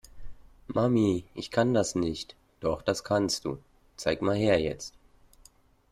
Mami, ich kann das nicht. Doch, das kannst du. Zeig mal her jetzt.